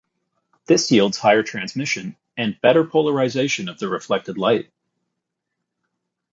This yields higher transmission and better polarization of the reflected light.